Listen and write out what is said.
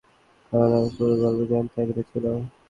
কারণ আমি পুরো গল্প জানতে আগ্রহী ছিলাম।